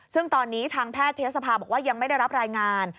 ซึ่งตอนนี้ทางแพทย์เทศภาบอกว่ายังไม่ได้รับรายงาน